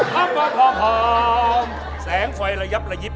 หอมแฟร์ไฟระยับระยิบ